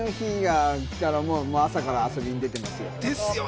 朝から遊びに出てますよ。